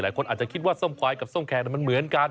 หลายคนอาจจะคิดว่าส้มควายกับส้มแขกมันเหมือนกัน